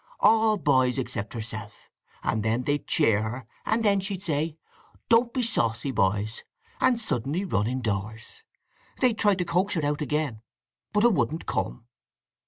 All boys except herself; and then they'd cheer her, and then she'd say, 'Don't be saucy, boys,' and suddenly run indoors. They'd try to coax her out again. But 'a wouldn't come."